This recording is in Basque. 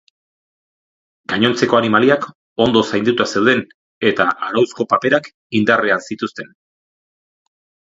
Gainontzeko animaliak ondo zainduta zeuden eta arauzko paperak indarrean zituzten.